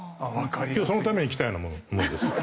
今日そのために来たようなものです。